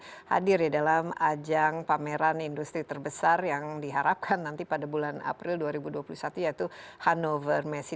kita akan hadir di dalam ajang pameran industri terbesar yang diharapkan nanti pada bulan april dua ribu dua puluh satu yaitu hannover messi